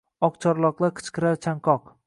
Oq chorloqlar qichqirar chanqoq